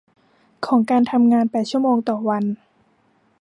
ของการทำงานแปดชั่วโมงต่อวัน